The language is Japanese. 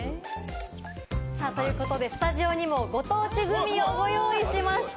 ということで、スタジオにもご当地グミをご用意しました。